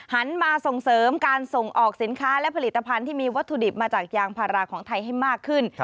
หันมาส่งเสริมการส่งออกสินค้าและผลิตภัณฑ์ที่มีวัตถุดิบมาจากยางพาราของไทยให้มากขึ้น